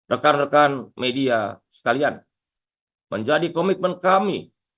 rekan rekan media sekalian menjadi komitmen kami